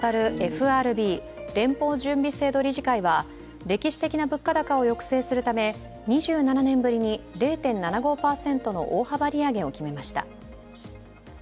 アメリカの中央銀行に当たるＦＲＢ＝連邦準備制度理事会は歴史的な物価高を抑制するため２７年ぶりに０．７５％の大幅利上げを決めました。